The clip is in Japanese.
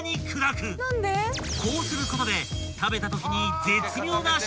［こうすることで食べたときに］